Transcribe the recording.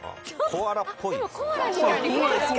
コアラっぽい。